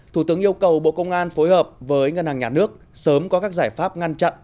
thủ tướng yêu cầu bộ công an phối hợp với ngân hàng nhà nước sớm có các giải pháp ngăn chặn